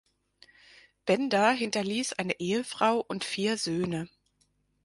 Benda hinterließ eine Ehefrau und vier Söhne.